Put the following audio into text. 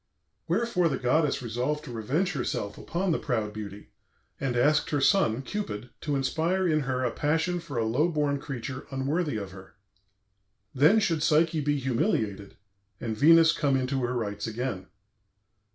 Wherefore the goddess resolved to revenge herself upon the proud beauty, and asked her son, Cupid, to inspire in her a passion for a low born creature unworthy of her. Then should Psyche be humiliated and Venus come into her rights again.